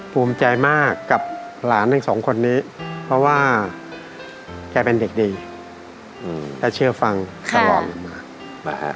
ภูมิใจมากกับหลานทั้งสองคนนี้เพราะว่าแกเป็นเด็กดีอืมและเชื่อฟังตลอดว่า